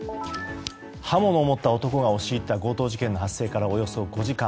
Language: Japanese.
刃物を持った男が押し入った強盗事件の発生からおよそ５時間。